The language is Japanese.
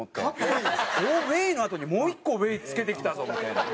オーウェイのあとにもう一個ウェイつけてきたぞみたいな。